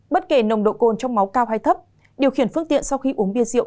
bất kể nồng độ cồn trong máu cao hay thấp điều khiển phương tiện sau khi uống bia rượu